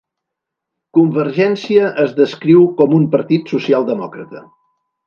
Convergencia es descriu com un partit socialdemòcrata.